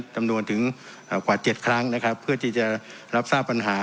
จำนวนถึงกว่า๗ครั้งนะครับเพื่อที่จะรับทราบปัญหา